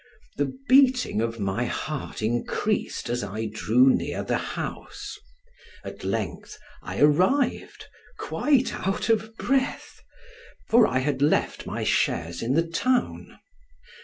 The beating of my heart increased as I drew near the house; at length I arrived, quite out of breath; for I had left my chaise in the town.